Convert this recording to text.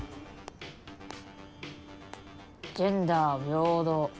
「ジェンダー平等」